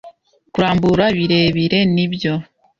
kurambura birebire, ni byo! ”